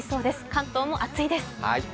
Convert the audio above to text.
関東も暑いです。